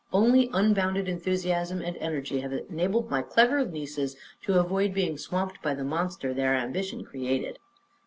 Only unbounded enthusiasm and energy have enabled my clever nieces to avoid being swamped by the monster their ambition created."